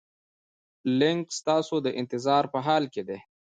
لینک ستاسو د انتظار په حال کې دی.